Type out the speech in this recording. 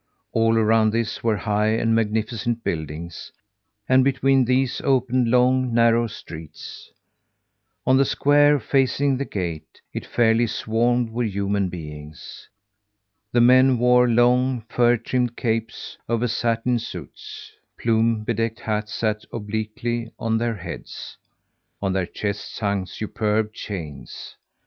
All around this were high and magnificent buildings; and between these opened long, narrow streets. On the square facing the gate it fairly swarmed with human beings. The men wore long, fur trimmed capes over satin suits; plume bedecked hats sat obliquely on their heads; on their chests hung superb chains.